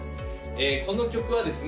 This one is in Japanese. この曲はですね